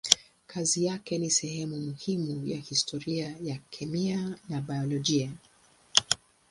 Kazi yake ni sehemu muhimu ya historia ya kemia na biolojia.